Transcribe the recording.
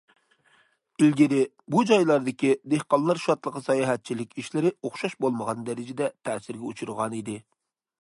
ئىلگىرى، بۇ جايلاردىكى دېھقانلار شادلىقى ساياھەتچىلىك ئىشلىرى ئوخشاش بولمىغان دەرىجىدە تەسىرگە ئۇچرىغانىدى.